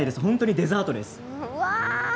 デザートです。